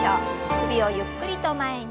首をゆっくりと前に。